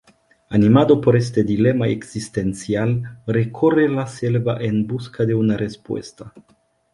Animado por este dilema existencial, recorre la selva en busca de una respuesta.